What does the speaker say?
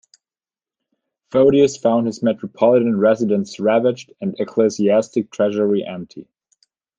Photius found his metropolitan residence ravaged and ecclesiastic treasury empty.